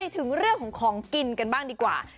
ถึงเรื่องของของกินกันบ้างดีกว่า